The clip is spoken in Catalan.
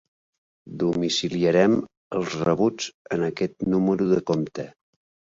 Domiciliarem els rebuts en aquest número de compte.